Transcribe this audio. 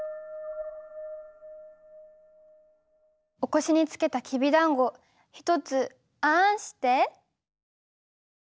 お腰につけたきびだんご一つあんして？